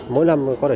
mỗi năm có thể